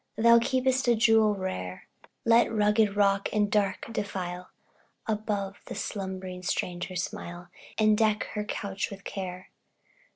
Thou keep'st a jewel rare; Let rugged rock, and dark defile, Above the slumbering stranger smile And deck her couch with care.